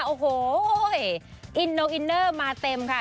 โอ้โหอินโนอินเนอร์มาเต็มค่ะ